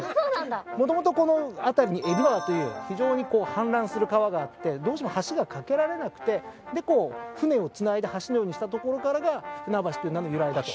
もともとこの辺りに海老川という非常に氾濫する川があってどうしても橋が架けられなくて船をつないで橋のようにしたところからが船橋っていう名の由来だと。